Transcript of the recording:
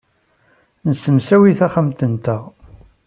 Nessemsawi taxxamt-nteɣ.